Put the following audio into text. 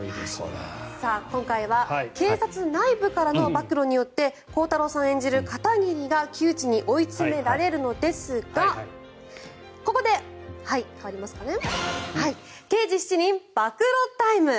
今回は警察内部からの暴露によって鋼太郎さん演じる片桐が窮地に追いつめられるのですがここで「刑事７人」暴露タイム！